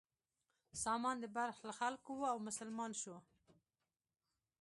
سامان د بلخ له خلکو و او مسلمان شو.